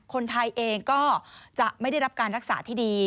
คนไทยเองก็จะไม่ได้รับการรักษาที่ดี